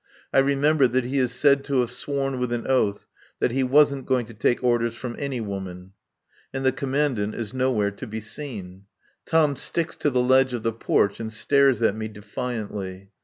I remember that he is said to have sworn with an oath that he wasn't going to take orders from any woman. And the Commandant is nowhere to be seen. Tom sticks to the ledge of the porch and stares at me defiantly.